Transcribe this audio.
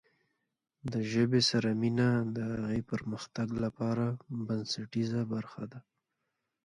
د ژبې سره مینه د هغې پرمختګ لپاره بنسټیزه برخه ده.